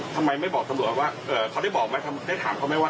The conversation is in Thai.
ทำไมไม่บอกตำรวจว่าเขาได้บอกไหมได้ถามเขาไหมว่า